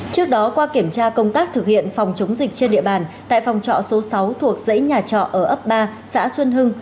trước đó qua kiểm tra công tác thực hiện phòng chống dịch trên địa bàn tại phòng trọ số sáu thuộc dãy nhà trọ ở ấp ba xã xuân hưng